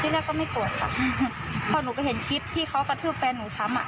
แรกก็ไม่โกรธค่ะพอหนูก็เห็นคลิปที่เขากระทืบแฟนหนูช้ำอ่ะ